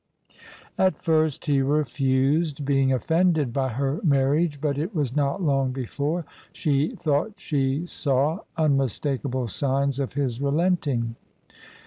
At first he refused, being offended by her marriage, but it was not long before she thought she saw immistakable signs of his relenting.